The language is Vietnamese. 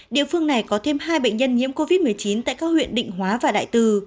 địa phương này có thêm hai bệnh nhân nhiễm covid một mươi chín tại các huyện định hóa và đại từ